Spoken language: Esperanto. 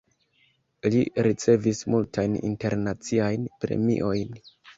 Li ricevis multajn internaciajn premiojn.